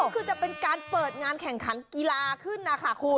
คือจะเป็นการเปิดงานแข่งขันกีฬาขึ้นนะคะคุณ